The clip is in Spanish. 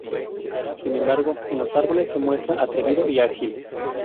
Sin embargo en los árboles se muestra atrevido y ágil.